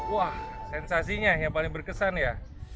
wah sensasinya yang paling berkesan ya